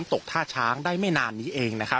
และก็คือว่าถึงแม้วันนี้จะพบรอยเท้าเสียแป้งจริงไหม